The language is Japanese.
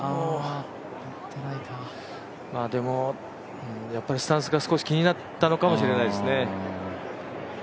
でも、やっぱりスタンスが少し気になったのかもしれないですね。